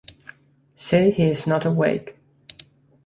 Say he is not awake.